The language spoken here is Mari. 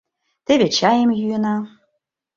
Теве чайым йӱына.